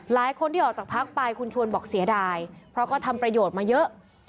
หลายคนที่ออกจากพักไปคุณชวนบอกเสียดายเพราะก็ทำประโยชน์มาเยอะ